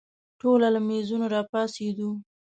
ټوله له مېزونو راپاڅېدو.